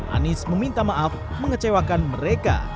anies meminta maaf mengecewakan mereka